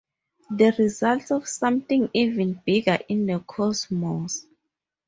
the result of something even bigger in the cosmos